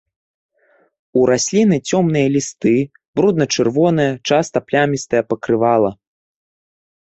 У расліны цёмныя лісты, брудна-чырвонае, часта плямістае пакрывала.